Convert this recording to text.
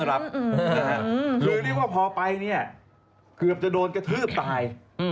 คือเรียกว่าพอไปเนี่ยเกือบจะโดนกระทืบตาย